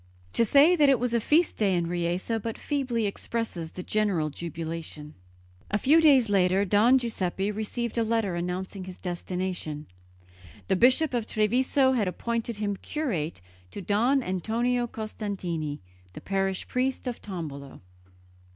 To say that it was a feast day in Riese but feebly expresses the general jubilation. A few days later Don Giuseppe received a letter announcing his destination. The Bishop of Treviso had appointed him curate to Don Antonio Costantini, the parish priest of Tombolo.